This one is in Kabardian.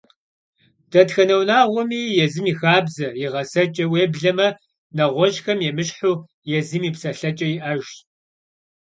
Дэтхэнэ унагъуэми езым и хабзэ, и гъэсэкӀэ, уеблэмэ, нэгъуэщӀхэм емыщхьу, езым и псэлъэкӀэ иӀэжщ.